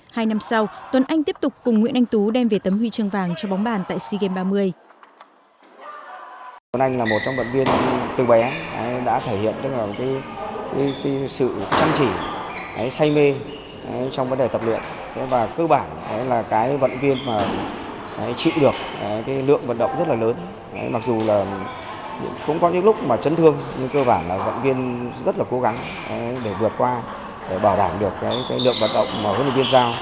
hai năm sau tuấn anh tiếp tục cùng nguyễn anh tú đem về tấm huy chương vàng cho bóng bàn tại sea games ba mươi